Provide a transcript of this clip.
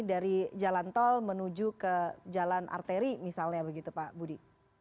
dari jalan tol menuju ke jalan arteri misalnya begitu pak budi